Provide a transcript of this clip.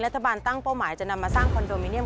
ตั้งเป้าหมายจะนำมาสร้างคอนโดมิเนียม